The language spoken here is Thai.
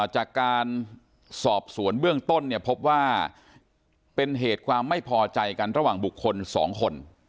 จากการสอบสวนเบื้องต้นเนี่ยพบว่าเป็นเหตุความไม่พอใจกันระหว่างบุคคล๒คน